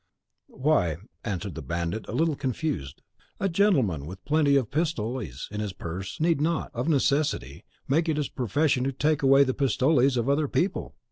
"Why," answered the bandit, a little confused, "a gentleman with plenty of pistoles in his purse need not, of necessity, make it his profession to take away the pistoles of other people!